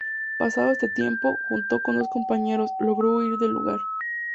Pasado este tiempo, junto con dos compañeros, logró huir del lugar.